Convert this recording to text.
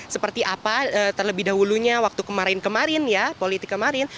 seperti apa terlebih dahulunya waktu kemarin kemarin ya politik kemarin